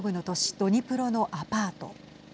ドニプロのアパート。